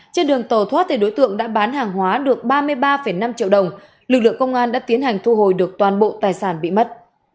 trên đường tàu thoát đối tượng đã bán hàng hóa được ba mươi ba năm triệu đồng lực lượng công an đã tiến hành thu hồi được toàn bộ tài sản bị mất